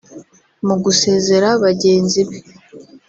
Mu gusezera bagenzi be